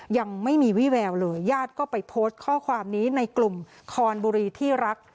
ยังไม่มีวิแววเลยญาติก็ไปโพสต์ข้อความนี้ในกลุ่มคอนบุรีที่รัก